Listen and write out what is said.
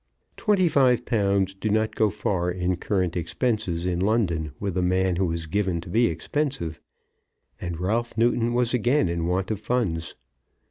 Twenty five pounds do not go far in current expenses in London with a man who is given to be expensive, and Ralph Newton was again in want of funds.